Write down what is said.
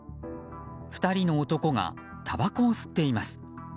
２人の男がたばこを吸っています。